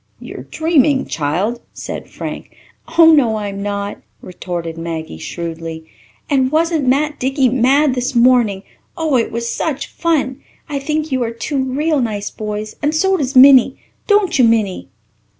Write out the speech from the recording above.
"You're dreaming, child," said Frank. "Oh, no, I'm not," retorted Maggie shrewdly, "and wasn't Matt Dickey mad this morning! Oh, it was such fun. I think you are two real nice boys and so does Minnie don't you Minnie?"